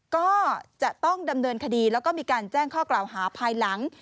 ก็จะต้องดำเนินคดีแล้วก็มีการแจ้งข้อกล่าวหาภายหลัง